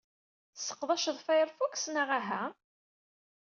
Tesseqdaceḍ Firefox neɣ ahaa?